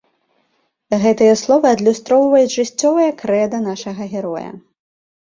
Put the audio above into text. Гэтыя словы адлюстроўваюць жыццёвае крэда нашага героя.